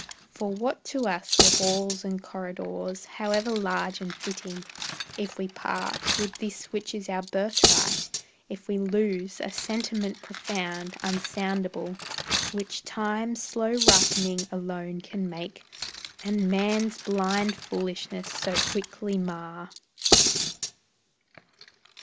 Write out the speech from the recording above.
For what to us were halls and corridors However large and fitting, if we part With this which is our birthright; if we lose A sentiment profound, unsoundable, Which Time's slow ripening alone can make, And man's blind foolishness so quickly mar.